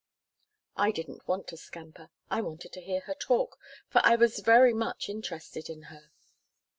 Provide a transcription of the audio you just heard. I didn't want to scamper, I wanted to hear her talk, for I was very much interested in her.